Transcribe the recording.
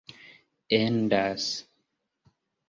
endas